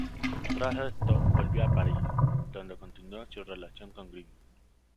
Tras esto, volvió a París, donde continuó su relación con Grimm.